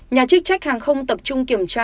nhà chức trách hàng không tập trung kiểm tra